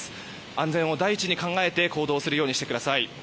安全を第一に考えて行動するようにしてください。